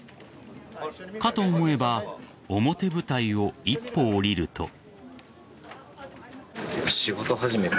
かと思えば表舞台を一歩下りると。